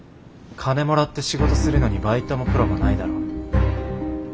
金もらって仕事するのにバイトもプロもないだろ。